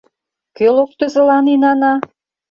Кӧ локтызылан инана?